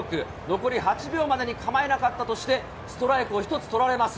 残り８秒までに構えなかったとして、ストライクを１つ取られます。